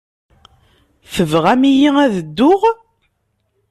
Tebɣam-iyi ad dduɣ?